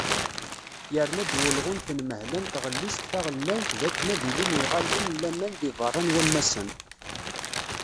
Yerna-d wulɣu n tenmehla n tɣellist taɣelnawt d akken ad ilin yiɣallen n laman deg berra n wammasen.